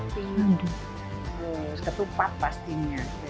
terus ketupat pastinya